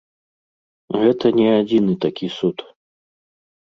Гэта не адзіны такі суд.